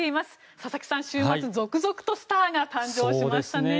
佐々木さん、週末続々とスターが誕生しましたね。